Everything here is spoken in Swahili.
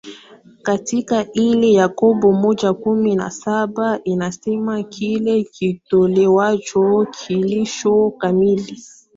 katika ile yakobo moja kumi na saba inasema kile kitolewacho kilicho kamili